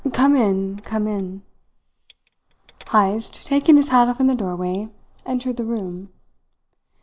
Come in, come in!" Heyst, taking his hat off in the doorway, entered the room.